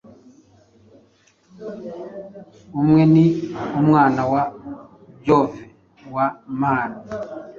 Umwe ni Umwana wa Jove, wa Mar